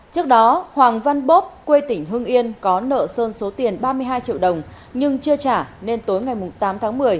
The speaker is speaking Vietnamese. trước đó hoàng văn bốp quê tỉnh hưng yên có nợ sơn số tiền ba mươi hai triệu đồng nhưng chưa trả nên tối ngày tám tháng một mươi